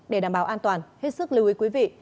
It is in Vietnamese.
để đảm bảo an toàn hết sức lưu ý quý vị